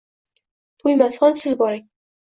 To`ymasxon siz boring